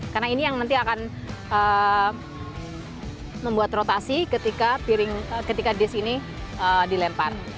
karena ini yang nanti akan membuat rotasi ketika disk ini dilempar